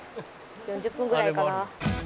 ４０分ぐらいかな？